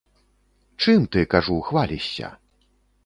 Чым ты, кажу, хвалішся?